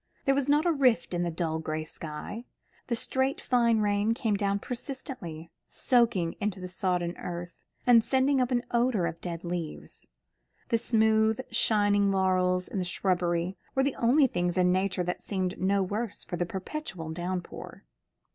There was not a rift in the dull gray sky; the straight fine rain came down persistently, soaking into the sodden earth, and sending up an odour of dead leaves. The smooth shining laurels in the shrubbery were the only things in nature that seemed no worse for the perpetual downpour.